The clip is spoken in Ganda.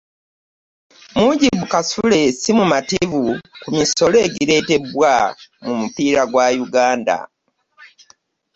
Mujibu Kasule si mumativu ku misolo egireetebwa mu mupiira gwa Uganda.